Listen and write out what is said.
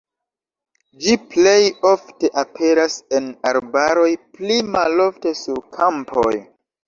Ĝi plej ofte aperas en arbaroj, pli malofte sur kampoj.